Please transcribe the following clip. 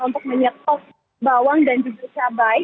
untuk menyetok bawang dan juga cabai